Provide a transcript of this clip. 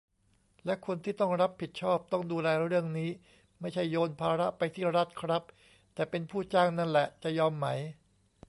และคนที่ต้องรับผิดชอบ ต้องดูแลเรื่องนี้ ไม่ใช่โยนภาระไปที่รัฐครับ แต่เป็นผู้จ้างนั่นแหละ จะยอมไหม